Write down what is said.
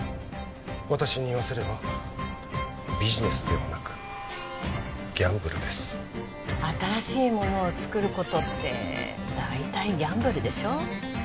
私に言わせればビジネスではなくギャンブルです新しいものをつくることって大体ギャンブルでしょ